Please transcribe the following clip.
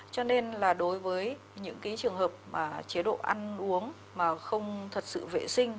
cho nên là đối với những trường hợp mà chế độ ăn uống mà không thật sự vệ sinh